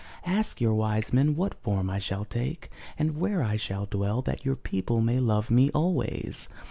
Ask your wise men what form I shall take, and where I shall dwell, that your people may love me always."